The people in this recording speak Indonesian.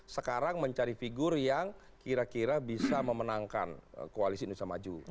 sekarang mencari figur yang kira kira bisa memenangkan koalisi indonesia maju